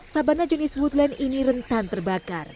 sabana jenis woodland ini rentan terbakar